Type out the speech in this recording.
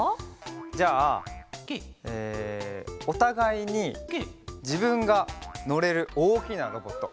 じゃあえおたがいにじぶんがのれるおおきなロボット。